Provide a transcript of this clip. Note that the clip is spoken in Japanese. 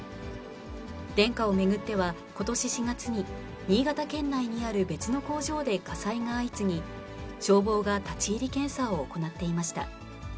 デンカを巡っては、ことし４月に、新潟県内にある別の工場で火災が相次ぎ、消防が立ち入り検査を行っていました。